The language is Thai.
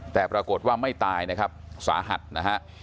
แต่ปรากฏว่าไม่ตายนะครับสาหัสนะฮะ